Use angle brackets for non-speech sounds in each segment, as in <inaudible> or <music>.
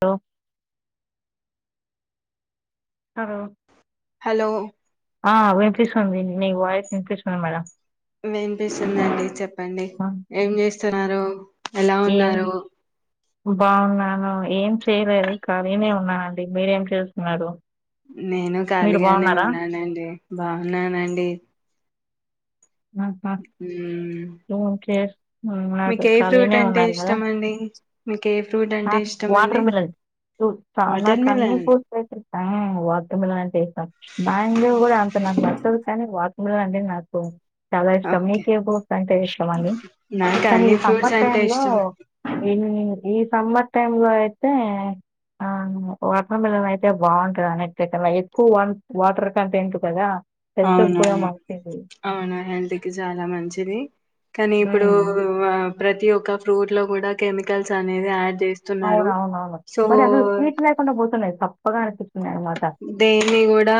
లో హలో ఆ వినిపిస్తుంది మీ వాయిస్ ఇన్పిస్తుంది మేడం వినిపిస్తుందండి చెప్ ప్పండి ఏం చేస్తున్నారు ఎలా ఉన్నారు బావున్నాను ఏం చేయలేదు ఖాళీనే ఉన్నానండి మీరేం చేస్తున్నారు నేనూ మీరు ఖాళీగానే బాగున్నారా ఉన్నానండి బాగున్నానండి మ్ ఓఓకే కేర్ నాకు ఫ్రూట్ ఖాళీనే అంటే ఉన్నారు కదా ఇష్టం అండి మీకు ఏ ఫ్రూట్ అంటే ఇష్టం అండి వాటర్ మిలన్ వాటర్ నాకన్నీ మిలన్ ఫ్రూట్స్ వాటర్ మిలన్ అంటే ఇస్తాం బ్యాంగో కూడా అంత నాకు నచ్చదు కానీ వాటర్ గువా అండి నాకు చాలా ఇష్టం ఓకే మీకే ఫ్రూ వేషాం అండి నాకు కానీ అన్ని ఫ్రూట్స్ సమ్మర్ టైం అంటే లో ఇష్టం <inaudible> ఈ సమ్మర్ టైమ్ లో అయితే ఆ వాటర్ మిలన్ అయితే బావుంటంది అన్నిటికన్నా ఎక్కువ వాటర్ కంటెంటు కదా హెల్త్‌కి అవును గూడా అవును మంచిది. అవునా హెల్త్ కి చాలా మంచిది. కాని ఇప్పుడు హ్మ్. వ ప్రతి ఒక ఫ్రూట్ లో కూడా కెమికల్స్ అనేది యాడ్ చేస్తున్నారు అవునవునవును సో మరి అసలు స్వీట్ లేకుండా పోతున్నాయి పగాట్టి దేన్ని కూడా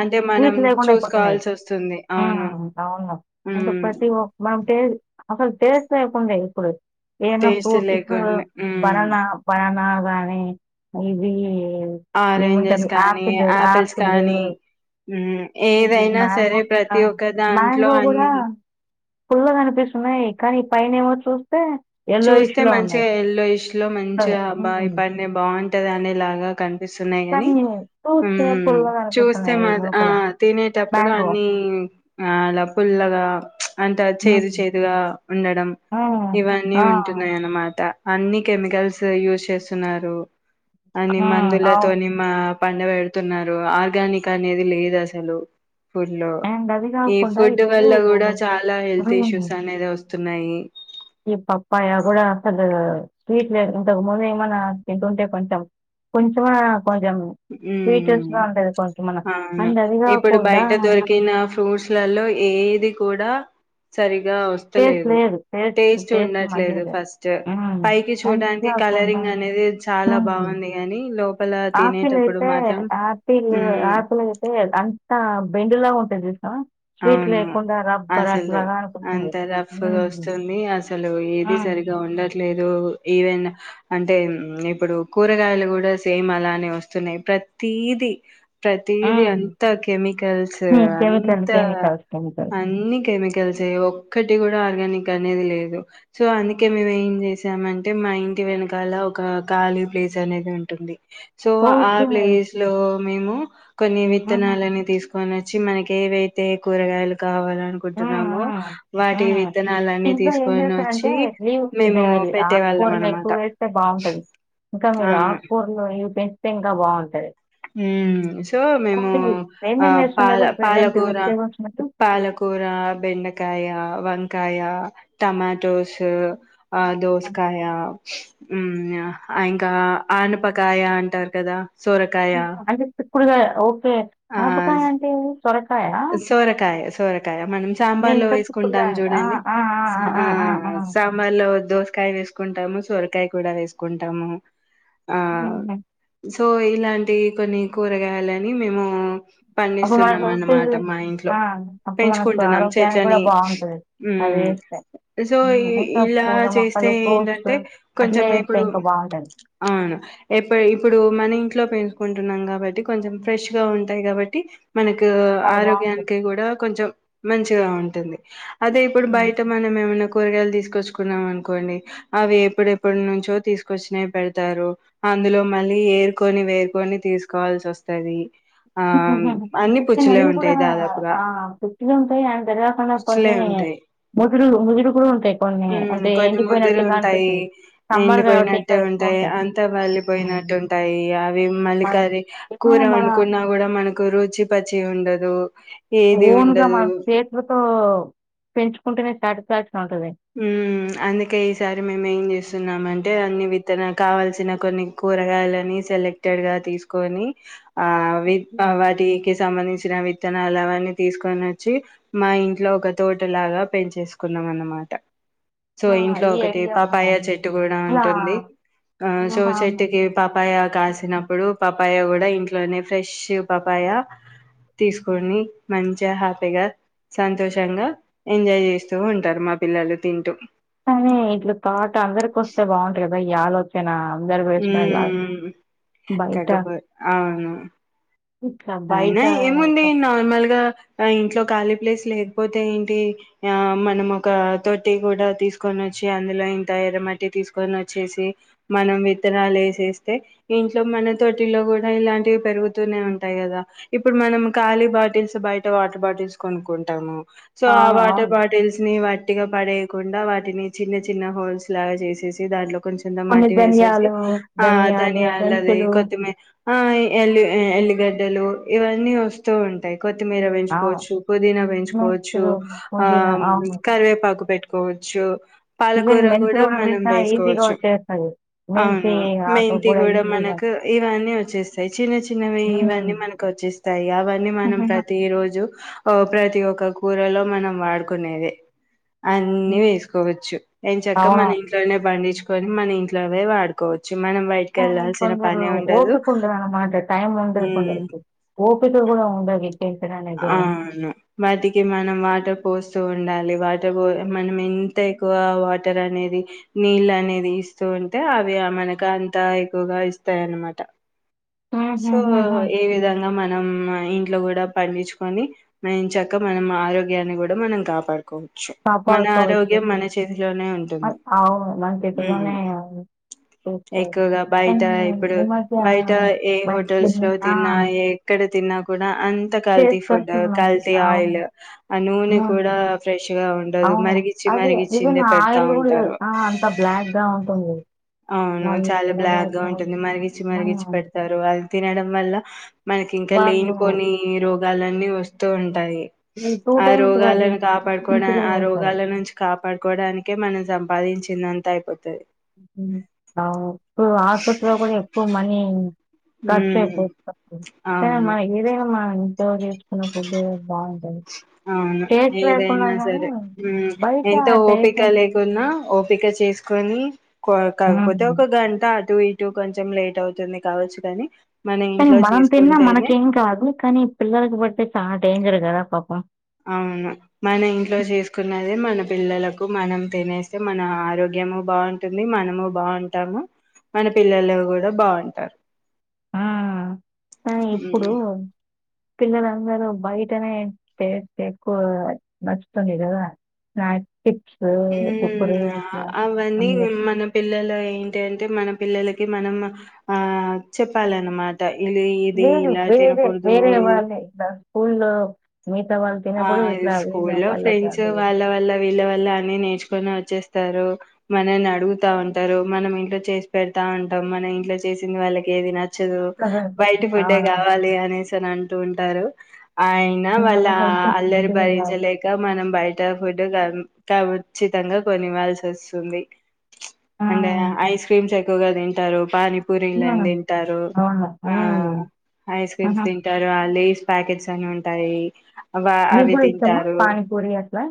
అంటే మనం స్వీట్స్ లేకుండా అయిపోతున్నాయి చూసుకోవాల్సి వస్తుంది ఆ అవును అవును అంటే మ్మ్ ప్రతి ఒ మనం టే అసలు టేస్ట్లేకుండే ఇప్పుడు ఏమన్నా టేస్ట్ ఫ్రూట్ ఇప్పుడు లేకుండా మ్మ్ బనానా బనానా నీ ఇది ఆరెంజెస్ ఏముంటది కానీ ఆపిల్ ఆపిల్స్ ఆపిల్ కానీ మ్మ్ ఇది ఏదైనా మ్యాంగో సరే ఆ ప్రతి ఒక్క దాంట్లో మ్యాంగో కూడా అన్ని పుల్లగానిపిస్తున్నాయి కానీ ఈ పైన ఏమో చూస్తే చూస్తే యెల్లోయిష్‌లో ఉన్నాయి. మంచిగా ఎల్లో ఇష్ లో మంచి పుల్లగా అబ్బ ఈ హ్మ్. పనై బాగుంటది అనే లాగా కనిపిస్తు న్నాయి కాని కానీ ఉమ్ చూస్తే చూస్తే పుల్లగనిపిస్తున్నాయి మా ఆ లోపల తినేటప్పుడు మ్యాంగో. అన్ని అలా పుల్లగా అంత చేదు హ్మ్. చేదుగా ఉండడం హ్మ్. ఇవన్ వి ఆ! ఆ! ఉంటున్నాయన్నామా ట అన్ని కెమికల్స్ యూజ్ చేస్తున్నారు అని ఆ! అవును. మాందులతోని మా పండ పెడుతున్నారు ఆర్గానిక్ అనేది లేదు అసలు ఫుడ్ లో అండ్ అది ఈ కాకుండా ఫుడ్ ఇప్పుడు వల్ల కూడా చాలా హెల్త్ ఇష్యూస్ ఉమ్, అనేది వస్తు తున్నాయి ఈ పప్పాయ కూడా అసలు స్వీట్లు లే ఇంతకు ముందు ఏమన్నా తింటుంటే కొంచెం కొంచెమన్న ఉ కొంచెం మన అవును అండ్ అది ఇప్పుడు కాకుండా బయట దొరికిన ఫ్రూట్స్లలో ఏది కూడా సరి గా టేస్ట్ వస్తలేదు లేదు టేస్ట్ మంచిగా ఉండట్లేదు లేదు ఫస్ట్ ఉమ్, పైకి అండ్ ఇది చూడానికి కాకుండా కలరింగ్ అనేది చాలా బాగుంది కానీ లోపల తినే పిల్ అయితే యాపిల్ యాపిల్ అయితే అంతా బెండులాగా ఉంటుంది చూసినవా స్విట్ అవును లేకుండా రబ్బర్ అసలు అట్లాగా అ రఫ్ గా వస్తుంది అసలు ఏది ఉమ్, సరిగా ఉండట్లేదు ఈవెన్ అంటే ఇప్పుడు కూరగాయలు కూడా సేమ్ అలానే వస్తున్నాయి ప్రతీది ప్రతీదీ ఉమ్. అంతా కెమికల్స్ హ్మ్. అం కెమికల్, ఆ కెమికల్స్, కెమికల్స్. అన్నికే కెమికల్స్ యే ఒక్కటి కూడా ఆర్గానిక్ అనేది లేదు. సో అందుకే మేము ఏం చేసామంటే మా ఇంటి వెనకాల ఒక ఖాళీ ప్లేస్ అనేది ఉంటుంది. సో ఆ ఓకే. ప్లేస్ లో మేము కొన్ని ఆహా! విత్తనాలని తీస్ కొని వచ్చి మనకి ఏ వె తే కూరగాయలు కావ ఆ! అనుకుంటున్నాము ఆ! ఆ! వాటి విత్తనాలన్నీ ఇంకా ఏం తీసుకొని చేస్తారంటే వచ్చి లీవ్స్ అంటే మేము అది పెట్టే వాళ్ళం ఆకుకూరలు ఎక్కువ అనమాట వేస్తే బావుంటది. ఇంకా మీరు అవును ఆకుకూరలు ఇవి పెంచితే ఇంకా బాగుంటది సో మేము ఆ ఏమేం పాల చేస్తున్నారు ప్రెజెంట్ పాలకూర వెజిటబుల్స్ మీకు? పాలకూ కూర బెండకాయ వంకాయ టమాటోస్ ఆ హ్మ్. దోస్కాయ ఉ ఇంకా ఆనపకాయ అంటారు కదా సోర అద కుడుగాఓ ఆ అపుకాయ ఉమ్. ఆంట ఏ సోరకాయ సోరకాయ మనం సాంబార్లో వేసుకుంటాం చూడండి ఆ సాంబార్ లో దోసకాయ వేసుకుంటా ంటాము సొరకాయ కూడా వేసుకుంటాము ఆ హ సో ఇలాంటివి కొన్ని కూరగాయలని మేము పన్న అప్పుడు మనకు సున్నామానమా ఫుల్ మా ఇంట్లో ఆ! అప్పుడు మనకు పెంచుకుంటున్నాం ఆరోగ్యానికి కూడా చెట్లని బావుంటది అదేస్తే. సో ఉత్త ఇలా పూల చేస్తే మొక్కలు, ఫ్రూట్స్ ఏంటంటే కొంచెం అట్లే ఏస్తే ఇప్పుడు ఇంకా బావుంటది. అవును ఎప్పు ఇప్పుడు మన ఇంట్లో పెంచ కుంటున్నాం కాబట్టి కొంచెం ఫ్రెష్ గా ఉంటాయి కాబట్టి మనకు చాలా బావుంటది. ఆరోగ్యానికి కూడా కొంచెం మంచిగా ఉంటుంది అదే ఇప్పుడు హ్మ్. బయట మనం ఏమనా కూరగాయలు తీసుకొచ్చుకున్నాం అనుకోండి అవి ఎప్పుడెప్పుడు నుంచో తీసుకొచ్చిన పెడతారు అందులో మళ్ళీ ఏేరుకొని వేరుకొని తీసుకోవాల్సి వస్తది ఆ అన్ని ప అవి కూడా ఆ తతిలు ఉంటాయి అండ్ తెరవాకుండా పుచ్చులే కొన్ని ఉంటాయి ముదుడు ముదుడు కూడా ఉంటాయి కొన్ని హ్మ్ అంటే కొన్ని ముదురు ఎండిపోయినట్టుగా ఉంటాయి. అనిపించింది సంమ్మార్ కావట్లే ఇంకా ఎండిపోయినట్టే ఎక్కువ ఉంటాయి అంతా వలిపోయినట్టు ఉంటాయి. అవి మళ్ళీ ఏమైనా మన గ గురుజీ పతి చేండదు ఓన్గా మనం చేతులతో పెంచుకుంటేనే త పా ఉ అందుకే ఈసారి మేము ఏం చేస్ న్నామంటే అన్ని విత్తన కావల్సిన కొన్ని కూరగాయలని సెలెక్టెడ్ గా తీసుకొని ఆ వి హ్మ్. వాటికి సంబంధించిన విత్ తనలావన్నీ తీసుకని వచ్చి మా ఇంట్లో ఒక తోటలాగా పెంచేసుకున్నాం అన్నమాట సో ఆ! ఇంట్లో ఈ ఒకటి ఐడియా పాపాయ బావుంది. చెట్టు కూడా ఇలా ఉంటుంది ఆ సో ఆహా! చెట్టుకి పాపాయ కాసినప్పుడు పపాయ కూడా ఇంట్లోనే ఫ్రెష్ పపాయ తీసుకొని మంచిగా హ్యాపీగా సంతోషంగా ఎంజాయ్ చేస్తూ ఉంటారు మా పిల్లలు తింటూ కానీ బ్బ ఈ ఆలోచనా ఉమ్ బయట తగ్గపో అవును ఇట్లా బయట అయినా ఏముంది నార్మల్గా ఆ ఇంట్లో ఖాళీ ప్లేస్ లేకపోతే ఏంటి ఆ మనం ఒక తొట్టి కూడా తీసుకొని వచ్చి అందులో ఇంత ఎరమట్టి తీసుకొని వచ్చేసి మనం విత్తరాలు ఏసేస్తే ఇంట్లో మన తోటిలో కూడా ఇలాంటివి పెరుగుతూనే ఉంటాయి కదా ఇప్పుడు మనం ఖాళీ బాటిల్స్ బయట వాటర్ బాటిల్స్ కొనుక్కుంటాము సో ఆ వాటర్ అవునవును బాటిల్స్ని వాటి టిగా పడేయకుండా వాటిని చిన్న చిన్న హోల్స్ లాగా చేసేసి దాంట్లో కొంచంత కొన్ని మాట్టి వేసేసి ధనియాలు ఆ ధనియాలు ధనియాలది మెంతులు కొత్తిమీర ఆ ఎలు ఎల్లిగడ్డలు ఇవన్నీ వస్తూ ఉంటాయి కొత్తిమీర ఆ పెంచుకోవచ్చు పుదీనా పెంచుకోవచ్చు మెంతులు ఆ పుదీనా అవును కరివేపాకు పెట్టు కొచ్చు ఈవెన్ మెంతులు కూడా వేసినామ ఈజీగా వచ్చేస్తాది అవును మెంతి కూడా మనకు ఇవన్నీ వచ్చేస్తాయి చిన్న చిన్నవి హ్మ్ ఇవన్నీ మనకు వచ్చేస్తాయి అవన్నీ మనం ప్రతి రోజు ప్రతి ఒక్క కూరలో మనం వాడుకునేది అన్ని వేసుకోవచ్చు ఎన్చక్క అవును మన ఇంట్లోనే బండిచ్ కోని మన ఇంట్లోవే వాడు కో కానీ కొందరు ఓపిక ఉండదు అనమాట టైమ్ ఉండదు ఉమ్ కొందరి ఓపిక కూడా ఉండదు చేయించడానికి కూడా అవును వాటికి మనం వాటర్ పోస్ ఇస్తూ ఉండాలి వాటర్ మనం ఎంత ఎక్కువ వాటర్ అనేది నీళ్ళు అనేది ఇస్తూ ఉంటే అవి మనకు అంత ఎక్కువగా ఇస్తాయి అనమాట సో ఏ విధంగా మనం ఇట్ల కూడా పండించుకొని ఎంచక్కా మనం ఆరోగ్యాన్ని కూడా మనం కాపాడుకోవ చు మన కాపాడుకోవచ్చు. ఆరోగ్యం మన చేతిలోనే అ ఉంటుంది అవును. ఉ మనసిటీలోనే చేసుకోవాలి. ఎక్కువగా బయట కానీ ఇప్పుడు ఈ మధ్య బయట ఏ హోటల్స్ బయటికెళ్ళి లో ఆ! తిన్నా ఏ ఎక్కడ తిన్నా కూడా అత్ కల్తీ ఫుడ్ చేసుకొస్తుంది మంచి కల్త అవును. ఆయిల్ ఆ నూనె హ్మ్. కూడా ఫ్రెష్ గ ఉండదు అవును. మరిగిచ్చి అదే ఈవెన్ మరిగిచిందే పెడతా ఆయిల్ గూడా ఉంటారు ఆ! అంత బ్లాక్‌గా ఉంటుంది. అవును మళ్ళీ చాలా ఇలాగా బ్లాక్ గా అవుతుంది. ఉంటుంది మరిగచ్చి మన మరిగచ్చి పెడతారు అది తినడం వల్ల మనకి ఇంకా వాళ్ళు లేనిపోని రోగాలన్నీ వస్తూ ఉంటాయి ఈ ఆ టైమ్స్ కాదు రోగాలను కాపాడుకోవడా మంచిగా ఆ చేస్తారు. రోగాల నుంచి కాపాడుకోవడానికే మనం సం బాధించిందంతా అయిపోతది ఉహూ ఆవ్ ఇప్పుడు ఆసుపత్రిలో కూడా ఎక్కువ మని కచే ఉమ్ పోతాన్ అవును ఏమైంది ఇదే ఏమైంది ఫోన్ చేసుకున్నప్పుడే అవును లేకున్నా ఏదైనా గానీ సరే ఉమ్ బయట ఎంత టేస్ట్ ఓపిక లేకున్నా ఓపిక చేసుకొని ఉమ్. కాకపోతే ఒక గంట అటు ఇటు కొంచెం లేట్ అవుతుంది కొన్ని కావచ్చు కానీ మన కానీ ఇంట్లో మనం తిన్నా చేసుకుంటేనే మనకేం కాదు కానీ పిల్లలలకు పడితే చాలా డేంజర్ కదా పాపం అవును మన ఇంట్లో చేసుకున్నది మన పిల్లలకు మనం తినేస్తే మన ఆరోగ్యము బాగుంటుంది మనము బాగుంటాము మన పిల్లలు కూడా బాగుంటారు ఆ కానీ మ్మ్ ఇప్పుడు పిల్లలు అందరూ బయటనే ఏ టేస్ట్ ఎక్కువగా నచ్చుతుంది కదా స్నాక్స్ చిప్స్ కుక్కరు ఇట్లా అవన్నీ అందులో మన పిల్లలు ఏంటింటే మన పిల్లలకి మనం ఆ చెప్పాలన్నమాట ఇది ఇది నేను ఇలా వేరే తినకూడదు వేరే ఇ వాళ్ళే నా స్కూల్ లో ఆ స్కూల్ వాళ్ళకి ఫ్రెండ్స్ అది వాళ్ళ వాళ్ళ వళ్ళవ అని నేర్చుకొని వచ్చేస్తారు మనల్ని అడుగుతా ఉంటారు మనం ఇంట్లో చేసి పెడతా ఉంటాం మనం ఇంట్లో చేసింది వాళ్ళకి ఏదినా నచ్చదు కదా బయట ఆ, ఫుడే కావాలి అనే ని అంటు ఉంటారు అయనా వాళ్ళ అది ఆ హెల్త్ అల్లరి మంచిది కాదు భరించలేక మనం బయ ఫుడ్ కచితంగా కొనివాల్సి వస్తుంది అంటే ఆ ఐస్ క్రీమ్స్ ఎక్కువగా తింటారు పాని కూరింగ్ల హ్మ్. తింటారు అవును. ఆ హ్మ్. ఐస్ క్రీమ్స్ ఆహా! తింటారు ఆ లేస్ ప్యాకెట్స్ అని ఉంటాయి అవ మీ అవి కూడా ఇష్టమా తింటారు పానీపూరి అట్లా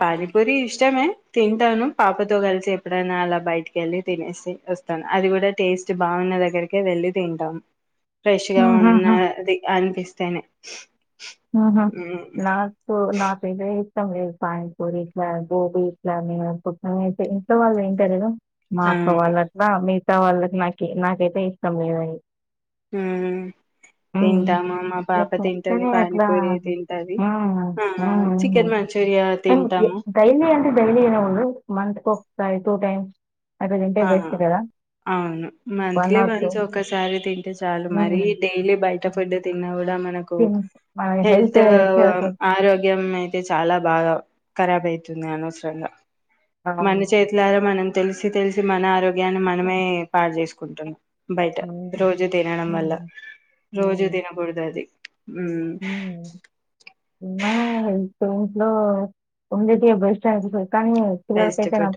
పానీపూరి ఇష్టమే తింటాను పాపతో కలిసి ఎప్పుడైనా అలా బయటికి వెళ్ళి తినేసి వస్తాను అది కూడా టేస్ట్ బాగున్న దగ్గరిక వెళ్ళి తింటాము ఫ్రెష్ గా ఉన్న ఆహాహా! ది అనిపిస్ స్తేనే హూ హా నాతో నాకైతే ఇష్టం లేదు పానిపూరి ఇట్లా, గోబీ ఇట్లా, మే <unintelligible> ఇంట్లో వాళ్ళు ఏం తెలీదు మా అవును సవాళ్ళట్లా మీ ఇష్ట వాళ్ళకి నాకు నాకైతే ఇష్టం లేవండి హ్మ్ తింటామా మా పాప తింటది బానే హా హ్మ్ హ్మ్ చికెన్ మంచూరియా ఆ తింటాము డైలీ అంటే డైలీ తినకూడదు మంత్ ఓక్ టైమ్ టూ టైమ్ ఆ అవును మంత్లీ ఆర్ వన్స్ ఒకసారి తింటే చాలు మరి హ్మ్. డైలీ బయట ఫుడ్ తిన్నా కూడా మన కో తిన్ మన హెల్త్ ఇష్యూస్ ఆరోగ్యం అయితే చాలా బాగా ఖరాబ్ అయితుంది అనవసరంగా అవును. మన చేతులారా మనం తెలిసి తెలిస్ సి మన ఆరో గ్యాన్ని మనమే పాడు చేస్ కుంటాన్న బయట అవును. రోజు తినడం వల్ల హ్మ్. రోజు హ్మ్. తినకూడదు అది మ్మ్ మనమే హెల్త్ సైన్స్ లో ఉండేటే బెస్ట్ ఆన్సర్ బెస్ట్ ఫుడ్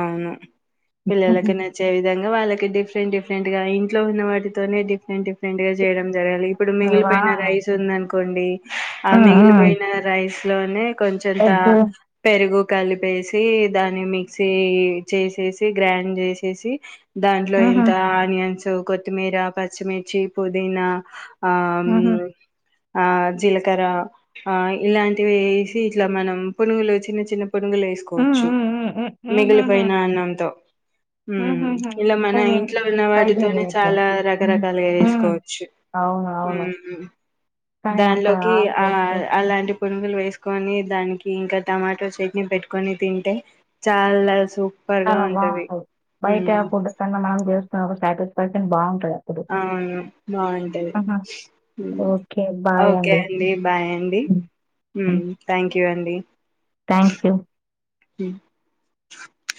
అవును పిల్లలకి నచ్చే విధంగా వాళ్ళకి డిఫ్ డిఫరెంట్ డిఫరెంట్ గా ఇంట్లో ఉన్న వాటితోనే డిఫరెంట్ డిఫరెంట్గా చేయడం జరగాలి ఇప్పుడు వా మిగిలిపోయిన రైస్ ఉందనుకో కొండి ఆ హ్మ్. హ్మ్. మిగిలిపోయిన రైస్ లోనేక్ కొంచెంత ఎగ్ పెరుగు కలిపేసి దాన్ని మిక్సీ చేసేసి గ్రైండ్ చేసేసి దాంట్లో హుహు. ఇంత ఆనియన్స్ కొత్తిమీర, పచ్చిమిర్చి, పుదీనా ఆమ్ హుహు. లే ఆ జీలకర్ర ఆ ఇలాంటి వేసి ఇట్లా మనం పునుగులు చిన్న చిన్న పునుగులు హ్మ్. వేసుకోవచ్చు హ్మ్. హ్మ్. హ్మ్. హుహుహు. మిగిలిపోయిన అన్నంతో హుమ్ హుహుహు. ఇలా మన కానీ మేము ఇంట్లో ఉన్న ట్రై వాటితోనే చేయలేదట్లా. చాలా హ్మ్. రకరకాలుగా చేసుకోవచ్చు అవును. అవును. హుమ్మ్ కానీ అక్కడ దానిలోకి ఆ ఆమ్లెట్స్ అలాంటి పునుగులు వేసుకొని దానికి ఇంకా టమాటో చె ట్నీ పెట్టుకొని తింటే చాలా సూ చాలా బాగుండవు బయట ఫుడ్ కన్నా మనం చేస్తే ఒక సాటి పర్సెట్ బాగుంటాయి అవును బాగుంటది ఓకే. బాయ్ ఓకే అండి బాయ్ అండి హ్మ్. ఊ హ్మ్. థ్యాంక్ యూ అండి థ్యాంక్ యూ ఉ